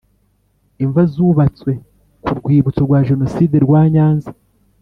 Imva zubatswe ku Rwibutso rwa Jenoside rwa nyanza